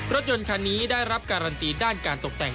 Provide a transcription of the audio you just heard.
รถยนต์คันนี้ได้รับการันตีด้านการตกแต่ง